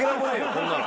こんなの。